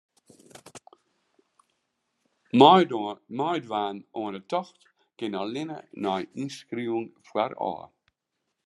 Meidwaan oan 'e tocht kin allinnich nei ynskriuwing foarôf.